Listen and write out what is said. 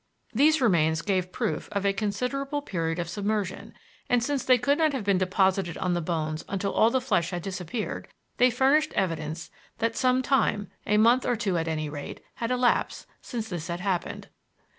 These remains gave proof of a considerable period of submersion, and since they could not have been deposited on the bones until all the flesh had disappeared they furnished evidence that some time a month or two at any rate had elapsed since this had happened.